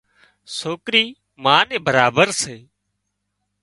سوڪرِي ما نين برابر سي